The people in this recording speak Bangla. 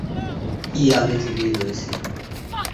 কি আগে থেকেই রয়েছে?